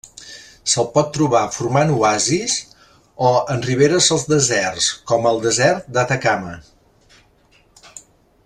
Se'l pot trobar formant oasis o en riberes als deserts, com al desert d'Atacama.